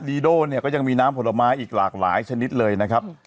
ดีโด่เนี่ยก็ยังมีน้ำผลไม้อีกหลากหลายชนิดเลยนะครับ